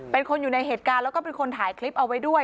เป็นคนอยู่ในเหตุการณ์แล้วก็เป็นคนถ่ายคลิปเอาไว้ด้วย